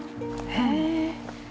へえ。